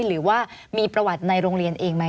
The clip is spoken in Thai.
หรือว่ามีประวัติในโรงเรียนเองไหม